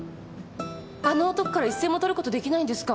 あの男から一銭も取ることできないんですか？